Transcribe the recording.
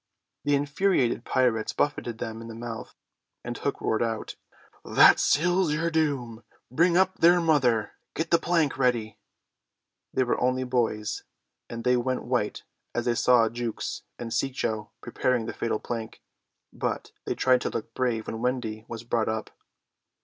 The infuriated pirates buffeted them in the mouth; and Hook roared out, "That seals your doom. Bring up their mother. Get the plank ready." They were only boys, and they went white as they saw Jukes and Cecco preparing the fatal plank. But they tried to look brave when Wendy was brought up.